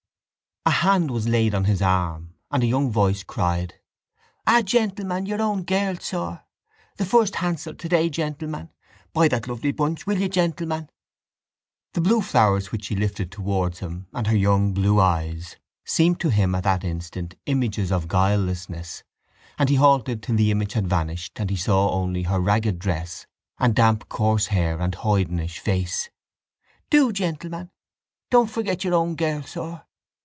A hand was laid on his arm and a young voice cried: —Ah, gentleman, your own girl, sir! The first handsel today, gentleman. Buy that lovely bunch. Will you, gentleman? The blue flowers which she lifted towards him and her young blue eyes seemed to him at that instant images of guilelessness, and he halted till the image had vanished and he saw only her ragged dress and damp coarse hair and hoydenish face. —Do, gentleman! Don't forget your own girl, sir!